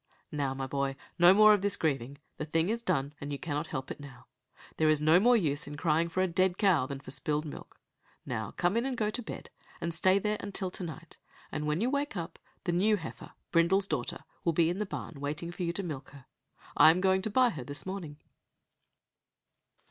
"Now, my boy, no more of this grieving. The thing is done, and you cannot help it now. There is no more use in crying for a dead cow than for spilled milk. Now come in and go to bed, and stay there until tonight; and when you wake up, the new heifer, Brindle's daughter, will be in the barn waiting for you to milk her. I am going to buy her this morning."